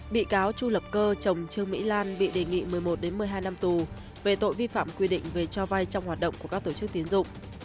bị cáo chu lập cơ chồng trương mỹ lan bị đề nghị một mươi một một mươi hai năm tù về tội vi phạm quy định về cho vay trong hoạt động của các tổ chức tiến dụng